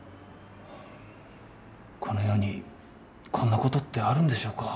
この世にこんなことってあるんでしょうか？